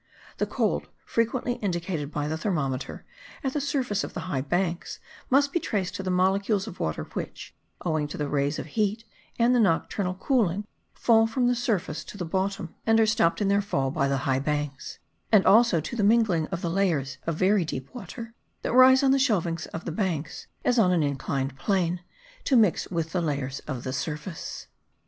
The cold frequently indicated by the thermometer, at the surface of the high banks, must be traced to the molecules of water which, owing to the rays of heat and the nocturnal cooling, fall from the surface to the bottom, and are stopped in their fall by the high banks; and also to the mingling of the layers of very deep water that rise on the shelvings of the banks as on an inclined plane, to mix with the layers of the surface.